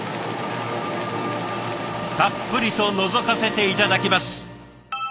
たっぷりとのぞかせて頂きます。